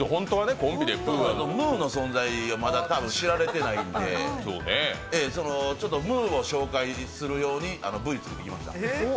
たぶんムーの存在をまだ知られてないんでちょっとムーを紹介するようにＶ作ってきました。